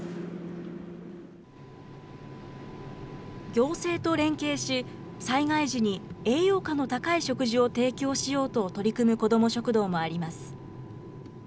行政と連携し、災害時に栄養価の高い食事を提供しようと取り組む子ども食堂もあります。